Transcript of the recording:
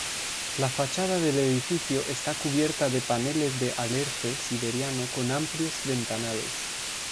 La fachada del edificio está cubierta de paneles de alerce siberiano con amplios ventanales.